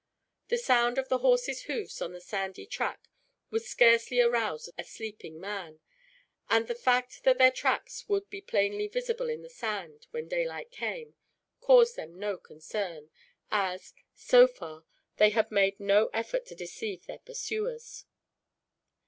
The sound of the horses' hoofs on the sandy track would scarcely arouse a sleeping man; and the fact that their tracks would be plainly visible in the sand, when daylight came, caused them no concern; as, so far, they had made no effort to deceive their pursuers.